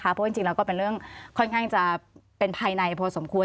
เพราะจริงแล้วก็เป็นเรื่องค่อนข้างจะเป็นภายในพอสมควร